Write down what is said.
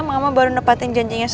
mama baru nepatin janjiannya